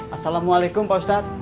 assalamualaikum pak ustadz